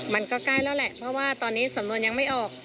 มันก็ใกล้แล้วแหละเพราะว่าตอนนี้สำนวนยังไม่ออก